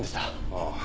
ああ。